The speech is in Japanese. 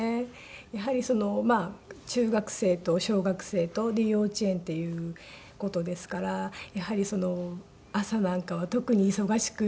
やはり中学生と小学生と幼稚園っていう事ですからやはり朝なんかは特に忙しくしておりますね。